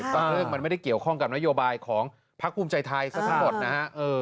เพราะว่าเรื่องมันไม่ได้เกี่ยวข้องกับนโยบายของพระคุมใจไทยทั้งหมดนะฮะ